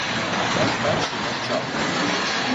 Лев Перший мовчав.